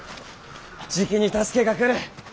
じきに助けが来る。